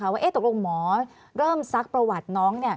ว่าตกลงหมอเริ่มซักประวัติน้อง